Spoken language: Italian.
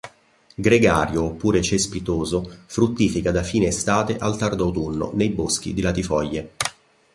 Gregario oppure cespitoso, fruttifica da fine estate al tardo autunno nei boschi di latifoglie.